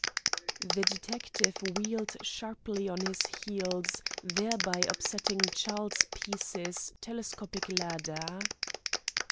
The detective wheeled sharply on his heels, thereby upsetting Charles Peace's telescopic ladder.